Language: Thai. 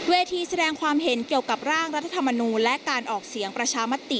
แสดงความเห็นเกี่ยวกับร่างรัฐธรรมนูลและการออกเสียงประชามติ